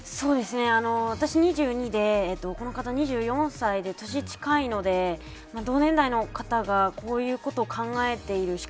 私２２で、この方２４歳で年が近いので、同年代の方がこういうことを考えている。